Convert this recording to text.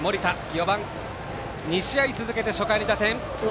４番、２試合続けて初回に打点。